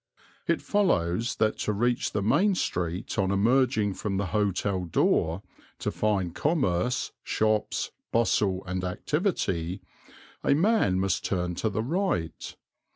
It follows that to reach the main street on emerging from the hotel door, to find commerce, shops, bustle, and activity, a man must turn to the right.